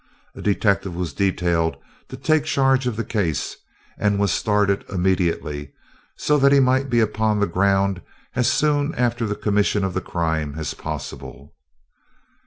A detective was detailed to take charge of the case, and was started immediately, so that he might be upon the ground as soon after the commission of the crime as possible.